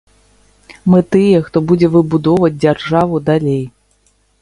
Мы тыя, хто будзе выбудоўваць дзяржаву далей.